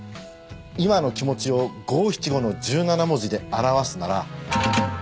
今の気持ちを五七五の１７文字で表すなら。